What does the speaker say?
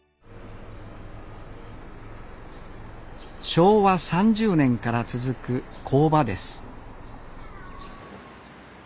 昭和３０年から続く工場です